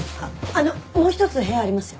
あのもう一つ部屋ありますよ。